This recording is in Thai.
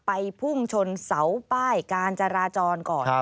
พุ่งชนเสาป้ายการจราจรก่อน